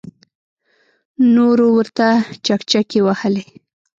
نورو ورته چکچکې وهلې.